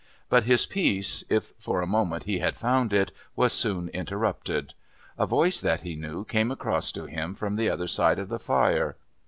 But his peace, if for a moment he had found it, was soon interrupted. A voice that he knew came across to him from the other side of the fire.